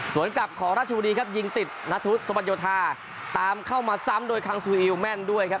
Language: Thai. ส่วนกลับของราชบุรีครับยิงติดนัทธุสุบันโยธาตามเข้ามาซ้ำโดยคังซูอิลแม่นด้วยครับ